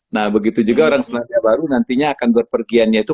nah begitu juga orang selandia baru nantinya akan berpergiannya itu